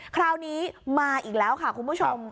คราวนี้มาอีกแล้วค่ะคุณผู้ชม